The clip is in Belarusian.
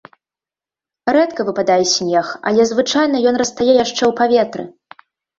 Рэдка выпадае снег, але звычайна ён растае яшчэ ў паветры.